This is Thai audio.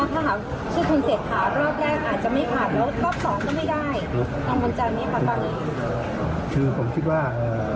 ก็ยืนกราญชัดเจนว่า